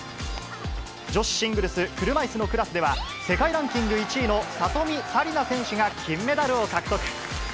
女子シングルス車いすのクラスでは、世界ランキング１位の里見紗李奈選手が金メダルを獲得。